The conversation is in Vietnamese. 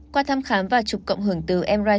qua thăm khám và chụp cộng hưởng từ mri